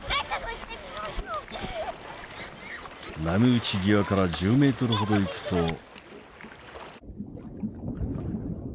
波打ち際から１０ｍほど行くと。